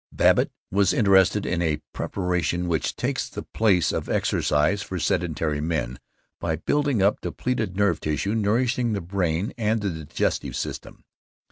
Babbitt was interested in a preparation which "takes the place of exercise for sedentary men by building up depleted nerve tissue, nourishing the brain and the digestive system."